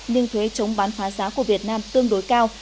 nhưng thuế chống bán phá giá của việt nam tương đối cao